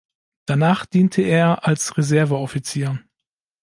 Danach diente er als Reserve-Offizier.